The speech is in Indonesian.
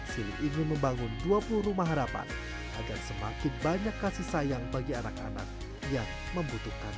sili ingin membangun dua puluh rumah harapan agar semakin banyak kasih sayang bagi anak anak yang membutuhkan